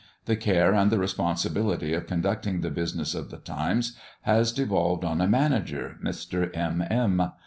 The care and the responsibility of conducting the business of the Times has devolved on a manager, Mr. M. M.